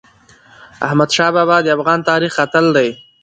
احمدشاه بابا د افغان تاریخ اتل دی.